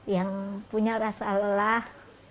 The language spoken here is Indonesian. yang punya rasa lelah